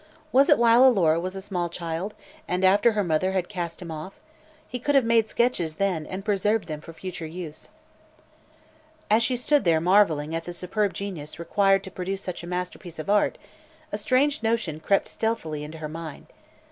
Was it while Alora was a small child, and after her mother had cast him off? He could have made sketches then, and preserved them for future use. As she stood there marveling at the superb genius required to produce such a masterpiece of art, a strange notion crept stealthily into her mind.